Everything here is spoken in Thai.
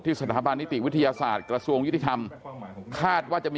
ที่สถานบาลนิติวิทยาศาสตร์กระทรวงยี่ธัมคาดว่าจะมี